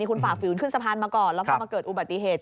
คุณฝ่าฝืนขึ้นสะพานมาก่อนแล้วพอมาเกิดอุบัติเหตุ